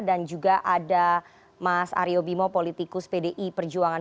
dan juga ada mas aryo bimo politikus pdi perjuangan